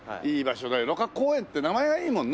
芦花公園って名前がいいもんね。